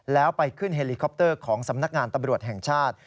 แล้วไปขึ้นเฮลิคอปเตอร์ของสำนักงานตำรวจแห่งชาติ